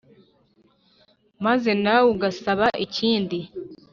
maze nawe ugasaba ikindi"